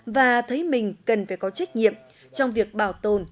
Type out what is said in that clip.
và thấy mình cần phải có trách nhiệm trong việc bảo tồn